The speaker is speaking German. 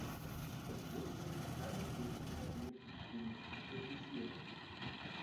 Es wird dort keine Gründe mehr geben, uns zu kritisieren.